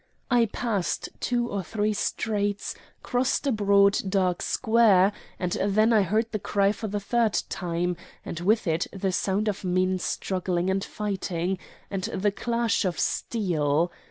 I passed two or three streets, crossed a broad, dark square, and then I heard the cry for the third time, and with it the sound of men struggling and fighting, and the clash of steel.